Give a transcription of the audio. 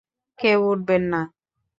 কেউ উঠবেন না!